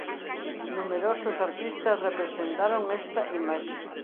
Numerosos artistas representaron esta imaxe.